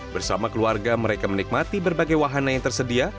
bersama keluarga mereka menikmati berbagai wahana yang tersedia